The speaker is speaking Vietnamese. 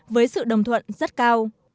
với sự đồng thuận rất cao